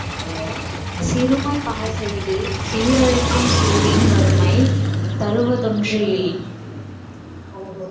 சிறுமை பலசெய்து சீரழிக்கும் சூதின் வறுமை தருவதொன்று இல்.